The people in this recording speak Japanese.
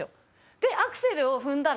でアクセルを踏んだら。